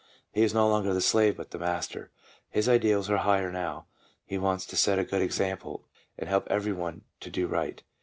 He is no longer the slave but the master, his ideals are higher now, he wants to set a good example, and help every one to do right.